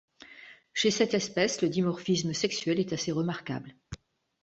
Chez cette espèce, le dimorphisme sexuel est assez remarquable.